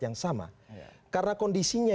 yang sama karena kondisinya